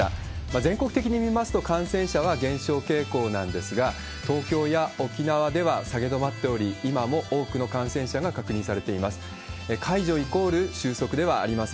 全国的に見ますと、感染者は減少傾向なんですが、東京や沖縄では下げ止まっており、今も多くの感染者が確認されています。